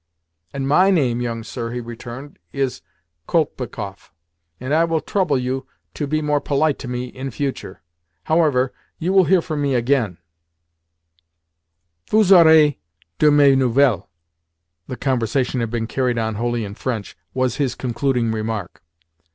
"And MY name, young sir," he returned, "is Kolpikoff, and I will trouble you to be more polite to me in future. However, You will hear from me again" ("vous aurez de mes nouvelles" the conversation had been carried on wholly in French), was his concluding remark.